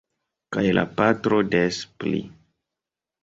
Kaj la patro des pli.